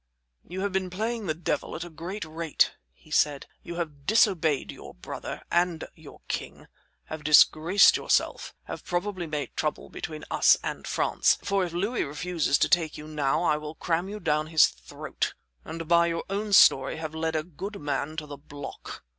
"You have been playing the devil at a great rate," he said, "You have disobeyed your brother and your king; have disgraced yourself; have probably made trouble between us and France, for if Louis refuses to take you now I will cram you down his throat; and by your own story have led a good man to the block.